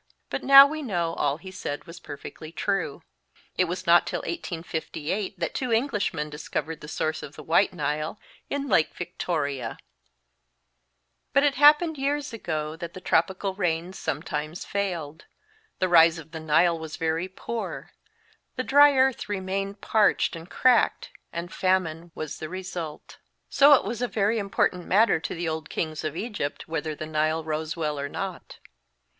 But now we know all he said was perfectly true. It was not till 1858 that two Englishmen discovered the source of the White Nile in Lake Victoria, But it happened years ago that the tropical rains sometimes failed; the rise of the Nile was very poor, the dry earth remained parched and cracked, and famine was the result. So it was a* 20 FAMINE IN EGYPT. [B.C. 1708. very important matter to the old kings of Egypt whether the Nile rose well or not.